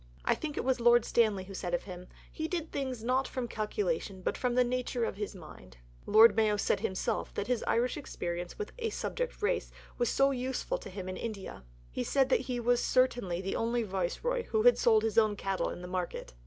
I think it was Lord Stanley who said of him, 'He did things not from calculation, but from the nature of his mind.' Lord Mayo said himself that his Irish experience with 'a subject race' was so useful to him in India. He said that he was certainly the only Viceroy who had sold his own cattle in the market."